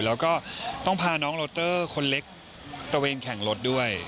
แล้วก็ต้องพาน้องโลเตอร์คนเล็กตะเวนแข่งรถด้วย